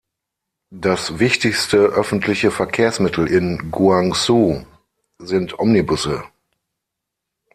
Das wichtigste öffentliche Verkehrsmittel in Guangzhou sind Omnibusse.